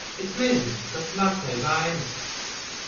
Es nezinu, kas Martai vainas.